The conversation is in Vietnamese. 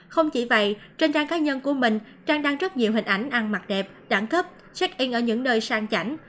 không chỉ vậy trên trang cá nhân của mình trang đang rất nhiều hình ảnh ăn mặc đẹp đẳng cấp sách in ở những nơi sang chảnh